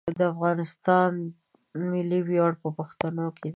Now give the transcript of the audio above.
د افغانستان ملي ویاړ په پښتنو کې دی.